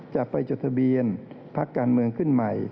จะไปจดทะเบียนพักการเมืองขึ้นใหม่